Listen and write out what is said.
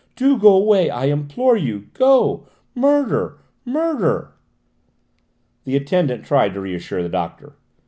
Do go away, I implore you! Go! Murder! Murder!" The attendant tried to reassure the doctor.